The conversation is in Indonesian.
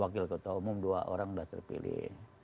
wakil ketua umum dua orang sudah terpilih